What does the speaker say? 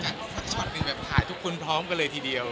สักช็อตหนึ่งแบบถ่ายทุกคนพร้อมกันเลยทีเดียว